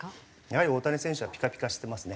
やはり大谷選手はピカピカしてますね。